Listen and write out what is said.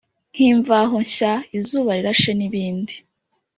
nk’imvaho nshya, izuba rirashe n’ibindi